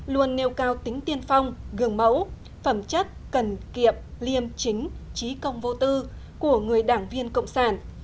luôn nêu cao tính tiên phong gương mẫu phẩm chất cần kiệm liêm chính trí công vô tư của người đảng viên cộng sản